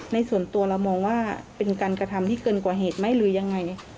ในส่วนตัวเรามองว่าเป็นการกระทำที่เกินกว่าเหตุไหมหรือยังไง